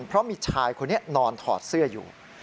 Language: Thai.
เพราะมีชายคนนี้นอนถอดเสื้ออยู่